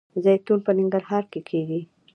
زیتون په ننګرهار کې کیږي